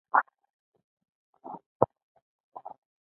ښځې ته یې برغ وکړ چې راشه.